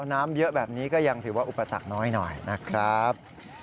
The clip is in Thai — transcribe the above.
น้ำเยอะแบบนี้ก็ยังถือว่าอุปสรรคน้อยหน่อยนะครับ